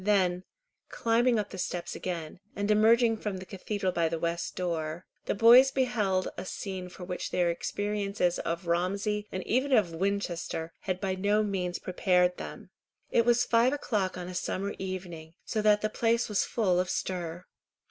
Then, climbing up the steps again, and emerging from the cathedral by the west door, the boys beheld a scene for which their experiences of Romsey, and even of Winchester, had by no means prepared them. It was five o'clock on a summer evening, so that the place was full of stir.